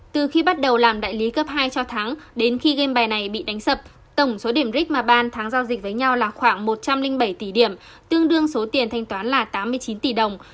từ khi bắt đầu làm đại lý cấp hai cho tháng đến khi game bài này bị đánh sập tổng số điểm rick mà ban thắng giao dịch với nhau là khoảng một trăm linh bảy tỷ điểm tương đương số tiền thanh toán là tám mươi chín tỷ đồng